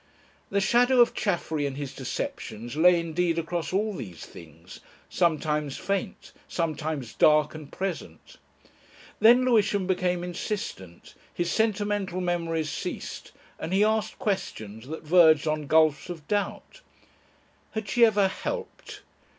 The shadow of Chaffery and his deceptions lay indeed across all these things, sometimes faint, sometimes dark and present. Then Lewisham became insistent, his sentimental memories ceased, and he asked questions that verged on gulfs of doubt. Had she ever "helped"?